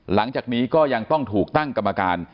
หลังจากนี้ก็ยังต้องถูกตั้งกรรมการ